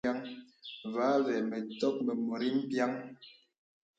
Vὰ àvə mə tòk mə nòrí mpiàŋ.